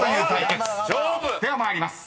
［では参ります。